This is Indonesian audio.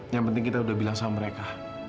yang penting kita udah bilang sama mereka